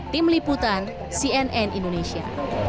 tim liputan cnn indonesia